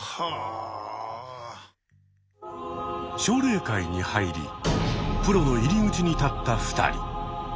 奨励会に入りプロの入り口に立った２人。